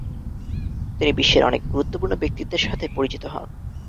তিনি বিশ্বের অনেক গুরুত্বপূর্ণ ব্যক্তিত্বের সাথে পরিচিত হন।